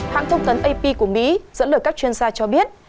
hãng thông tấn ap của mỹ dẫn lời các chuyên gia cho biết